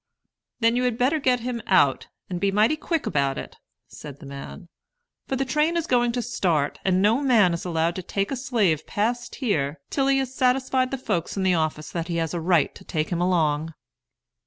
"Then you had better get him out, and be mighty quick about it," said the man; "for the train is going to start, and no man is allowed to take a slave past here till he has satisfied the folks in the office that he has a right to take him along."